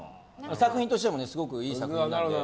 作品としてもすごくいい作品なので。